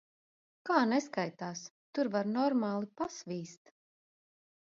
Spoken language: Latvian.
Kā neskaitās? Tur var normāli pasvīst.